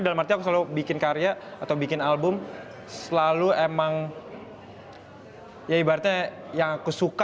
dalam arti aku selalu bikin karya atau bikin album selalu emang ya ibaratnya yang aku suka